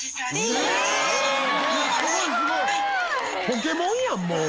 ポケモンやんもう！